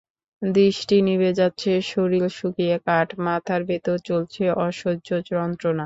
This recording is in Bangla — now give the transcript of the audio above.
দৃষ্টি নিভে যাচ্ছে, শরীর শুকিয়ে কাঠ, মাথার ভেতর চলছে অসহ্য যন্ত্রণা।